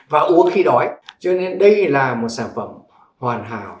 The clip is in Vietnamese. và uống khi đói cho nên đây là một sản phẩm hoàn hảo